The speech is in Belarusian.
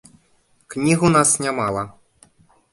Кніг у нас нямала.